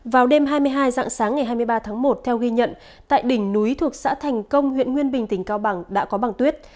vào đêm hai mươi hai dạng sáng ngày hai mươi ba tháng một theo ghi nhận tại đỉnh núi thuộc xã thành công huyện nguyên bình tỉnh cao bằng đã có bằng tuyết